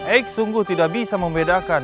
eik sungguh tidak bisa membedakan